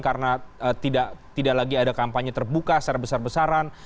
karena tidak lagi ada kampanye terbuka secara besar besaran